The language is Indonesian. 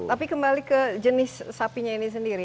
tapi kembali ke jenis sapinya ini sendiri